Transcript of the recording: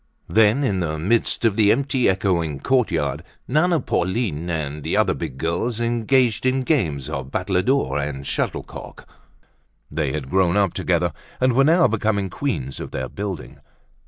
Then, in the midst of the empty, echoing courtyard, Nana, Pauline and other big girls engaged in games of battledore and shuttlecock. They had grown up together and were now becoming queens of their building.